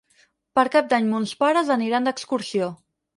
Per Cap d'Any mons pares aniran d'excursió.